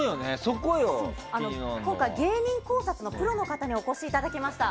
今回、芸人考察のプロの方にお越しいただきました。